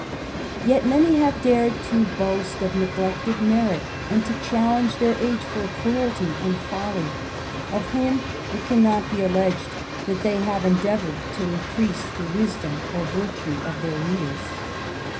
Yet many have dared to boast of neglected merit, and to diallenge theh age for cruelty and folly, of whom it cannot be alleged that they have endeavoured to increase the wisdom or virtue of their readers.